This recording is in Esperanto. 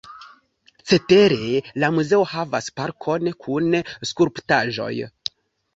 Cetere la muzeo havas parkon kun skulptaĵoj.